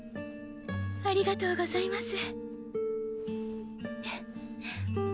ありがとうございます。